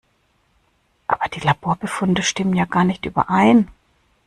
Aber die Laborbefunde stimmen ja gar nicht überein.